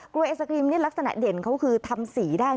ไอศกรีมนี่ลักษณะเด่นเขาคือทำสีได้